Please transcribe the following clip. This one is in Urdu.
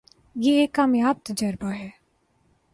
یہ ایک کامیاب تجربہ رہا ہے۔